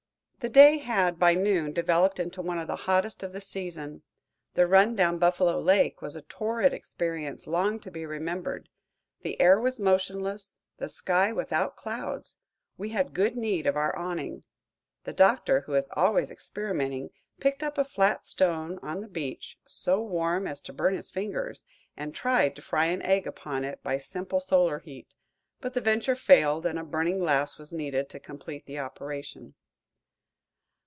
The day had, by noon, developed into one of the hottest of the season. The run down Buffalo Lake was a torrid experience long to be remembered. The air was motionless, the sky without clouds; we had good need of our awning. The Doctor, who is always experimenting, picked up a flat stone on the beach, so warm as to burn his fingers, and tried to fry an egg upon it by simple solar heat, but the venture failed and a burning glass was needed to complete the operation.